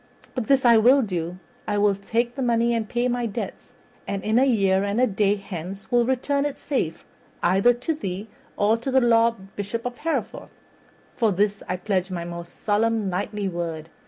But this I will do: I will take the money and pay my debts, and in a year and a day hence will return it safe either to thee or to the Lord Bishop of Hereford. For this I pledge my most solemn knightly word.